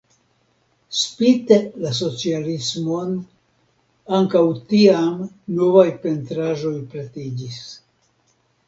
Spite la socialismon ankaŭ tiam novaj pentraĵoj pretiĝis.